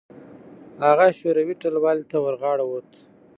هغه شوروي ټلوالې ته ورغاړه وت.